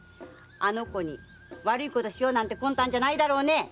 あの子に悪いことしようなんて魂胆じゃないだろうね